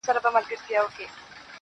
پر خوله باندي لاس نيسم و هوا ته درېږم,